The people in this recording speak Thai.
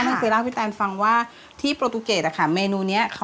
ก็คือเล่าพี่แตนฟังว่าที่โปรตุเกตอ่ะค่ะเมนูเนี่ย